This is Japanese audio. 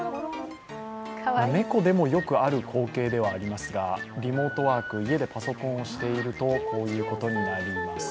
猫でもよくある光景ではありますが、リモートワーク家でパソコンをしていると、こういうことになります。